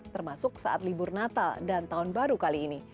termasuk saat libur natal dan tahun baru kali ini